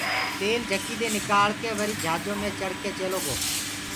تيل جھڪيٚ دي نڪݪڪي وريٚ جھاجو مي چڙه ڪي چيلو گو